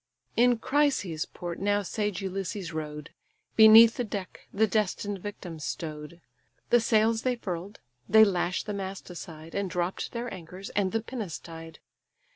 In Chrysa's port now sage Ulysses rode; Beneath the deck the destined victims stow'd: The sails they furl'd, they lash the mast aside, And dropp'd their anchors, and the pinnace tied.